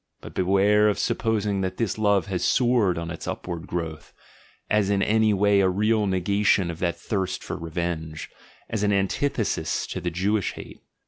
But beware of supposing that this love has soared on its upward growth, as in any way a real negation of that thirst for revenge, as an antithesis to the Jewish hate!